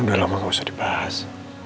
udah lama gak usah dibahas